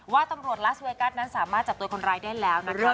ว่าตำรวจลาสเวกัสนั้นสามารถจับตัวคนร้ายได้แล้วนะคะ